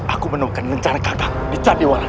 aku menunggu rencana kakak menjadi waran